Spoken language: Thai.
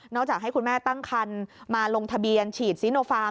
จากให้คุณแม่ตั้งคันมาลงทะเบียนฉีดซีโนฟาร์